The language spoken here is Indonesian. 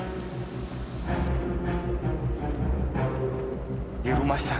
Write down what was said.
aku mau kemana